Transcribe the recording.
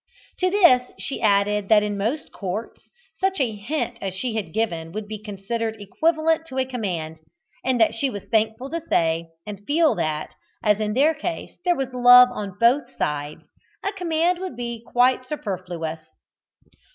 To this she added that in most courts such a hint as she had given would be considered equivalent to a command, and that she was thankful to say and feel that, as in their case there was love on both sides, a command would be quite superfluous.